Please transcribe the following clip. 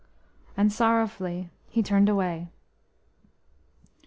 And sorrowfully he turned away.